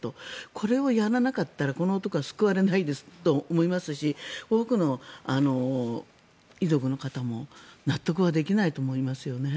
これをやらなかったらこの男は救われないですと思いますし多くの遺族の方も納得はできないと思いますよね。